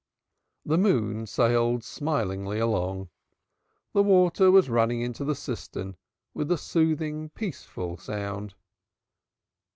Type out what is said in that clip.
The moon sailed smilingly along. The water was running into the cistern with a soothing, peaceful sound.